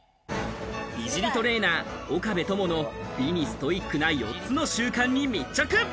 美尻トレーナー・岡部友の美にストイックな４つの習慣に密着。